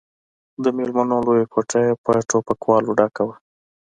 د ميلمنو لويه کوټه يې په ټوپکوالو ډکه وه.